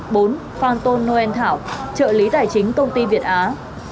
bốn phan tôn noel thảo trợ lý tài chính công ty việt á